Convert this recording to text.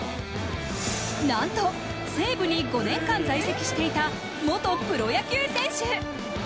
なんと西武に５年間在籍していた元プロ野球選手。